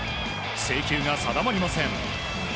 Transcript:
制球が定まりません。